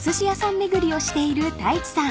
巡りをしている太一さん］